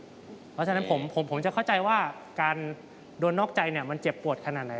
เพราะฉะนั้นผมจะเข้าใจว่าการโดนนอกใจมันเจ็บปวดขนาดไหน